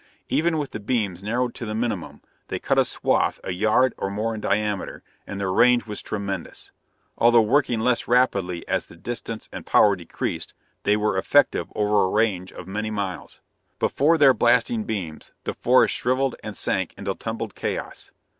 Even with the beams narrowed to the minimum, they cut a swath a yard or more in diameter, and their range was tremendous; although working rather less rapidly as the distance and power decreased, they were effective over a range of many miles. Before their blasting beams the forest shriveled and sank into tumbled chaos.